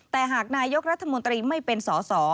แต่หากนายกรัฐมนตรีไม่เป็นสอสอ